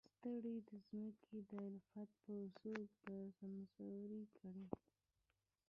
ستړې ځمکې د الفت به څوک سمسورې کړي.